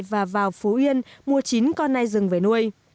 và vào phú yên mua chín con nay rừng về nuôi